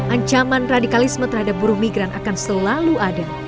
ancaman radikalisme terhadap buruh migran akan selalu ada